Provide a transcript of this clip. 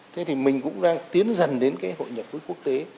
thế thì mình cũng đang tiến dần đến cái hội nhập với quốc tế